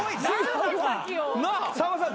さんまさん